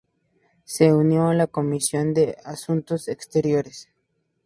Se unió a la Comisión de Asuntos Exteriores.